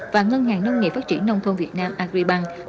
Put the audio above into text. và ngân hàng nông nghiệp phát triển nông thôn việt nam agribank